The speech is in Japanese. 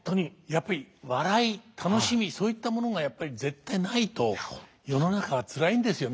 やっぱり笑い楽しみそういったものがやっぱり絶対ないと世の中は辛いんですよね。